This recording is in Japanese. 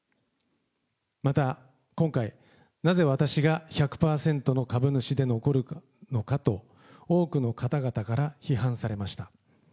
また今回、なぜ私が１００％の株主で残るのかと、多くの方々から批判されました。